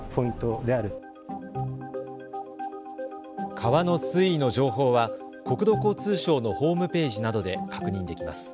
川の水位の情報は国土交通省のホームページなどで確認できます。